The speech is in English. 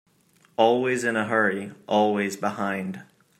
Always in a hurry, always behind.